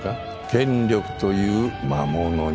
権力という魔物に。